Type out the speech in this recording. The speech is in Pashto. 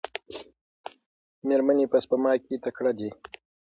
میرمنې په سپما کې تکړه دي.